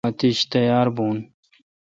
مہ اتیش تیار بھون۔